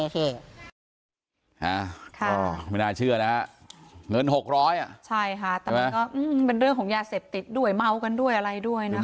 เป็นเรื่องของยาเสพติดด้วยเม้ากันด้วยอะไรด้วยนะครับ